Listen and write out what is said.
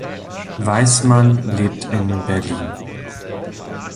Weismann lebt in Berlin.